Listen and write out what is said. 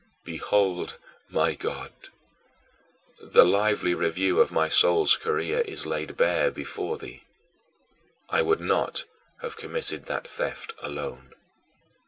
Behold, my God, the lively review of my soul's career is laid bare before thee. I would not have committed that theft alone.